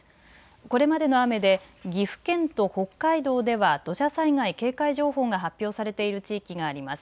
これまでの雨で岐阜県と北海道では土砂災害警戒情報が発表されている地域があります。